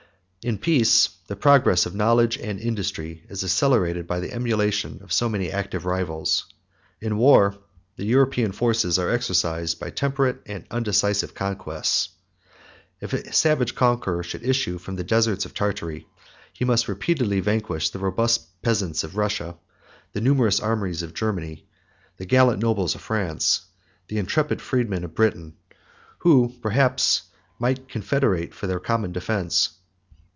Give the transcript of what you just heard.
In peace, the progress of knowledge and industry is accelerated by the emulation of so many active rivals: in war, the European forces are exercised by temperate and undecisive contests. If a savage conqueror should issue from the deserts of Tartary, he must repeatedly vanquish the robust peasants of Russia, the numerous armies of Germany, the gallant nobles of France, and the intrepid freemen of Britain; who, perhaps, might confederate for their common defence.